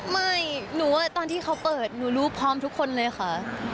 หนูว่าตอนที่เขาเปิดหนูรู้พร้อมทุกคนเลยค่ะ